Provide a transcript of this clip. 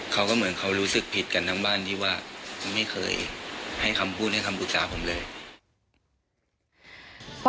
เขาก็เหมือนเขารู้สึกผิดกันทั้งบ้านที่ว่าไม่เคยให้คำพูดให้คำปรึกษาผมเลย